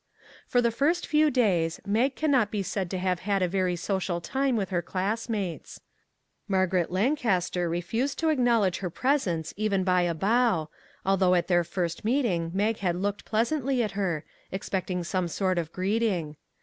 For the first few days Mag can not be said to have had a very social time with her school mates. Margaret Lancaster refused to ac knowledge her presence even by a bow, al though at their first meeting Mag had looked pleasantly at her, expecting some sort of greet ing.